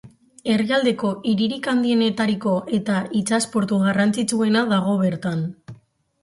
Herrialdeko hiririk handienetarikoa eta itsas portu garrantzitsuena dago bertan.